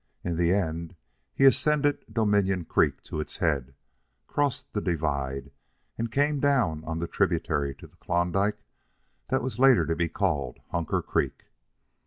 In the end, he ascended Dominion Creek to its head, crossed the divide, and came down on the tributary to the Klondike that was later to be called Hunker Creek.